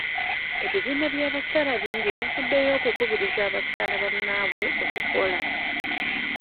Ebibiina by'abakyala bingi bivuddeyo okukubiriza bakyala bannabwe okukola.